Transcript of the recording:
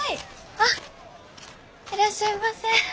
あっいらっしゃいませ。